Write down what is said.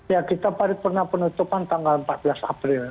ya kita paripurna penutupan tanggal empat belas april